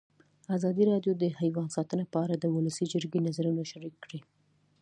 ازادي راډیو د حیوان ساتنه په اړه د ولسي جرګې نظرونه شریک کړي.